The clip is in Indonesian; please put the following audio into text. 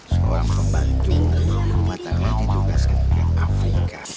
seorang pembantu rumah tangga ditugaskan dengan afrika